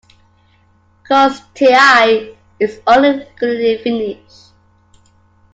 Koski Tl is unilingually Finnish.